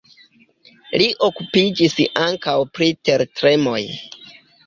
Li okupiĝis ankaŭ pri tertremoj.